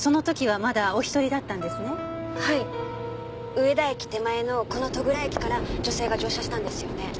上田駅手前のこの戸倉駅から女性が乗車したんですよね？